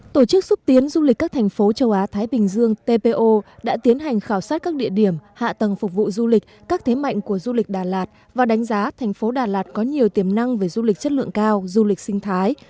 tổ chức xúc tiến du lịch các thành phố châu á thái bình dương tpo đã tiến hành khảo sát các địa điểm hạ tầng phục vụ du lịch các thế mạnh của du lịch đà lạt và đánh giá thành phố đà lạt có nhiều tiềm năng về du lịch chất lượng cao du lịch sinh thái